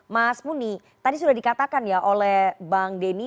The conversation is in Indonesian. mas muni tadi sudah dikatakan ya oleh bang denny